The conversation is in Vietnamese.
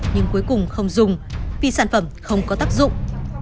nhưng cuối cùng không dùng vì sản phẩm không có tác dụng